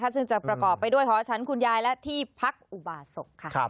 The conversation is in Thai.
ซึ่งจะประกอบไปด้วยหอฉันคุณยายและที่พักอุบาศก